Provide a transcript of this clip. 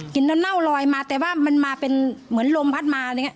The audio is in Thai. กลิ่นเหมือนเน่าลอยมาแต่ว่ามันมาเป็นเหมือนลมพัดมาเนี่ย